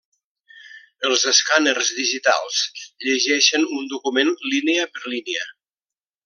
Els escàners digitals llegeixen un document línia per línia.